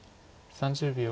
３０秒。